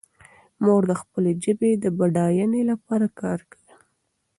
موږ د خپلې ژبې د بډاینې لپاره کار کوو.